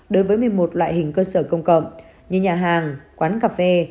đối với một mươi một loại hình cơ sở công cộng như nhà hàng quán cà phê